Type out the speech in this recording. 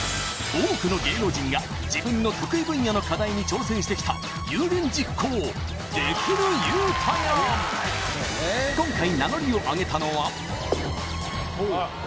多くの芸能人が自分の得意分野の課題に挑戦してきた有言実行できる言うたやん地上波